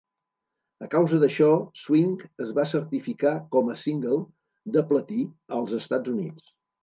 A causa d'això, "Swing" es va certificar com a "single" de platí als Estats Units.